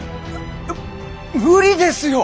む無理ですよ！